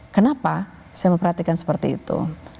kenapa saya memperhatikan seperti itu